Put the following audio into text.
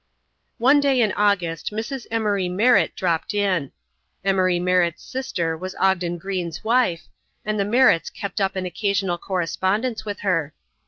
One day in August Mrs. Emory Merritt dropped in. Emory Merritt's sister was Ogden Greene's wife, and the Merritts kept up an occasional correspondence with her.